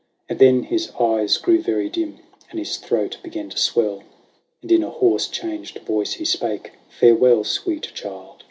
And then his eyes grew very dim, and his throat began to swell. And in a hoarse, changed voice he spake, " Farewell, sweet child